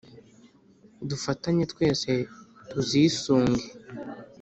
dufatanye twese tuzisunge